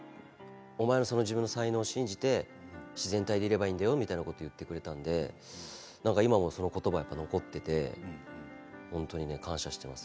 お前のその自分の才能を信じて自然体でいればいいんだよということを言ってくれたんで今も、その言葉が残っていて本当に感謝しています。